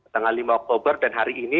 tanggal lima oktober dan hari ini